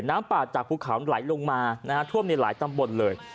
น้ำป่าจากภูเขาไหลลงมานะฮะท่วมในหลายตำบลเลย